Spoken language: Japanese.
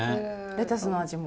レタスの味も。